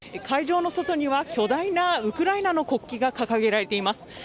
会場の外には巨大なウクライナの国旗が掲げられています。